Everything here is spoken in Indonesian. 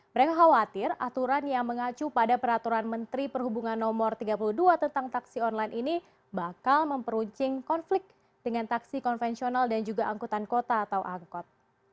mereka khawatir aturan yang mengacu pada peraturan menteri perhubungan no tiga puluh dua tentang taksi online ini bakal memperuncing konflik dengan taksi konvensional dan juga angkutan kota atau angkot